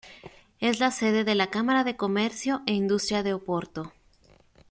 Es la sede de la Cámara de Comercio e Industria de Oporto.